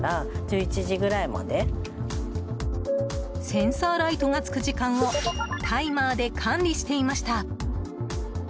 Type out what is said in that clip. センサーライトがつく時間をタイマーで管理していました。